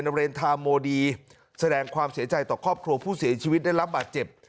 โรงเรียนทาโมดีแสดงความเสียใจต่อครอบครัวผู้เสียชีวิตได้รับบาดเจ็บ